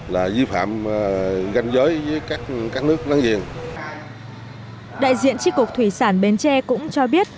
là vi phạm ganh giới với các các nước láng giềng đại diện tri cục thủy sản bến tre cũng cho biết